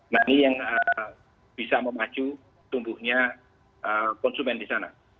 nah ini yang bisa memacu tumbuhnya konsumen di sana